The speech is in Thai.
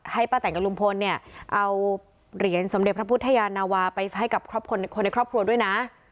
ป้าแตนกับลุงพลเนี่ยเอาเหรียญสมเด็จพระพุทธยานาวาไปให้กับคนในครอบครัวด้วยนะ